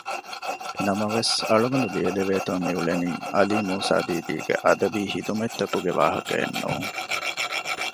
ނަމަވެސް އަޅުގަނޑު ލިޔެލެވޭތޯ މިއުޅެނީ ޢަލީ މޫސާދީދީގެ އަދަބީ ޚިދުމަތްތަކުގެ ވާހަކައެއް ނޫން